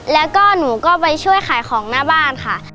แล้วก็หนูก็ไปช่วยขายของหน้าบ้านค่ะ